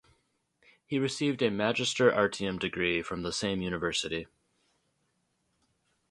He received a Magister Artium degree from the same university.